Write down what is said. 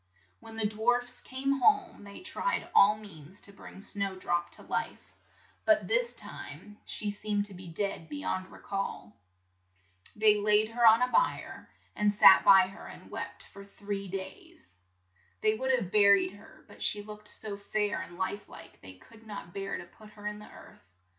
When the dwarfs came home they tried all means to bring Snow drop to life, but this time she seemed to be dead be yond re call. They laid her on a bier, and sat by her and wept for three days. They would have bur ied her, but she looked so fair and life like they could not bear to put her in the earth.